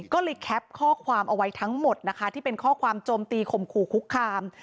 ก็เลยแคปข้อความเอาไว้ทั้งหมดนะคะที่เป็นข้อความโจมตีข่มขู่คุกคาม